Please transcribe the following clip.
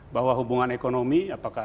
bahwa hubungan ekonomi apakah